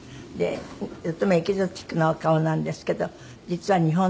とてもエキゾチックなお顔なんですけど実は日本の方。